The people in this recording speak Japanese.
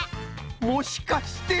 もしかして！